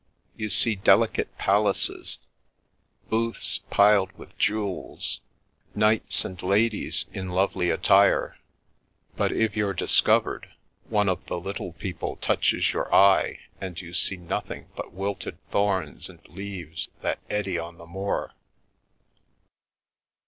You see delicate palaces, booths piled with jewels, knights and ladies in lovely attire, but if you're discovered, one of the Little People touches your eye, and you see nothing but wilted thorns and leaves that eddy on the moor."